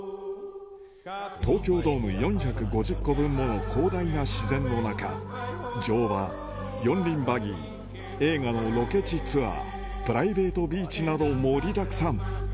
東京ドーム４５０個分もの広大な自然の中、乗馬、四輪バギー、映画のロケ地ツアー、プライベートビーチなど盛りだくさん。